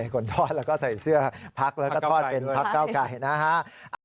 คนทอดแล้วก็ใส่เสื้อพักแล้วก็ทอดเป็นพักเก้าไก่นะฮะ